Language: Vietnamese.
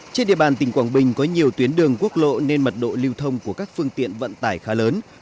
trên địa bàn tỉnh quảng bình có nhiều tuyến đường quốc lộ nên mật độ lưu thông của các phương tiện vận tải khá lớn